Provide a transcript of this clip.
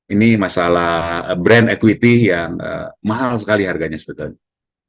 ini masalah brand equity yang mahal sekali harganya sebetulnya